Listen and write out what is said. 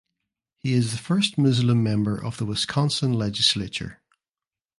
He is the first Muslim member of the Wisconsin Legislature.